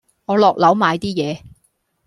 我落樓買啲嘢